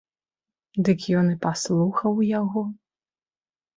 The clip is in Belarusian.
Дык ён і паслухаў яго.